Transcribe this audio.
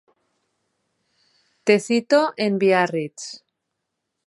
Te cito en Biarritz.